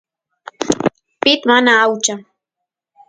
pit mana aucha